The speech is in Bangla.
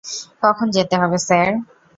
কখন যেতে হবে, স্যার?